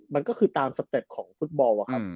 มันก็คือตามสเต็ปของฟุตบอลอะครับ